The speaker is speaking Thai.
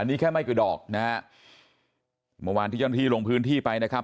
นี่แค่ไม่กี่ดอกนะฮะเมื่อวานที่เจ้าหน้าที่ลงพื้นที่ไปนะครับ